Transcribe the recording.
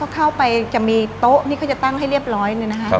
เข้าไปจะมีโต๊ะที่เขาจะตั้งให้เรียบร้อยเลยนะคะ